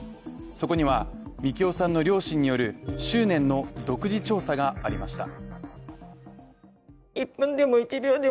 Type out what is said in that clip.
そこには樹生さんの両親による執念の独自調査がありました。